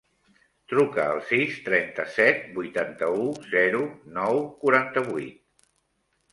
Truca al sis, trenta-set, vuitanta-u, zero, nou, quaranta-vuit.